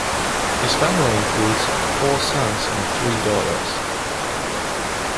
His family includes four sons and three daughters.